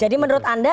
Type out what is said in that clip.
jadi menurut anda